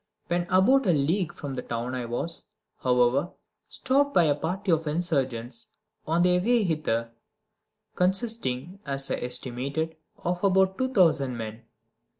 When about a league from the town I was, however, stopped by a party of insurgents on their way thither, consisting, as I estimated, of about two thousand men.